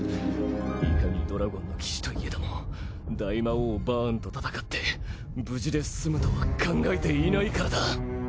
いかにドラゴンの騎士といえども大魔王バーンと戦って無事で済むとは考えていないからだ。